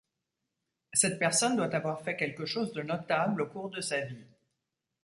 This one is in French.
Cette personne doit avoir fait quelque chose de notable au cours de sa vie.